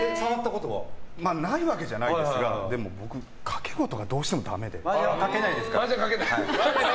ないわけじゃないですが僕、賭け事がどうしてもダメで。